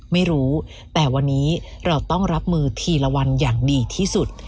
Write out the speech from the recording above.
ไม่รู้แต่วันนี้เราต้องรับมือทีละวันอย่างดีที่สุด